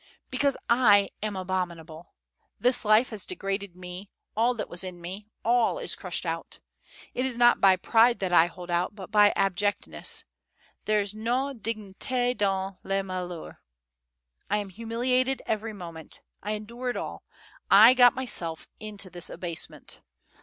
"Because I am abominable. This life has degraded me, all that was in me, all is crushed out. It is not by pride that I hold out, but by abjectness: there's no dignite dans le malheur. I am humiliated every moment; I endure it all; I got myself into this abasement.